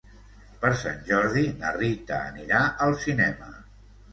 Per Sant Jordi na Rita anirà al cinema.